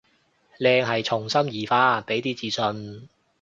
靚係從心而發，畀啲自信